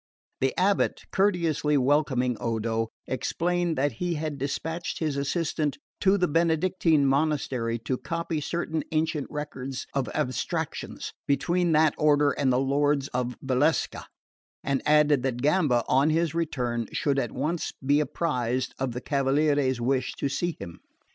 The abate, courteously welcoming Odo, explained that he had despatched his assistant to the Benedictine monastery to copy certain ancient records of transactions between that order and the Lords of Valsecca, and added that Gamba, on his return, should at once be apprised of the cavaliere's wish to see him.